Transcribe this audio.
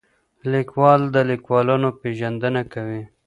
لیکوال د لیکوالانو پېژندنه کوي.